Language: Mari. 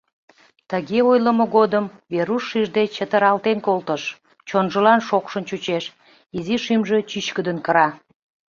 Тыге ойлымо годым Веруш шижде чытыралтен колтыш, чонжылан шокшын чучеш, изи шӱмжӧ чӱчкыдын кыра.